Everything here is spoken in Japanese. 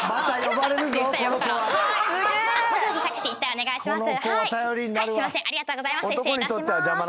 お願いします。